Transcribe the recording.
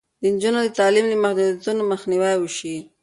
د نجونو د تعلیم له محدودیتونو مخنیوی وشي.